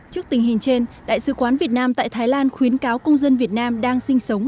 trước tình hình trên đại sứ quán việt nam tại thái lan khuyến cáo công dân việt nam đang sinh sống